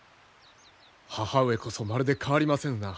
母上こそまるで変わりませぬな。